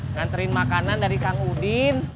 nganterin makanan dari kang udin